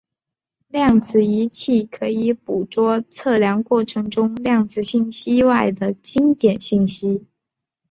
量子仪器可以捕捉测量过程中量子信息外的经典信息。